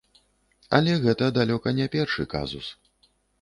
Але гэта далёка не першы казус.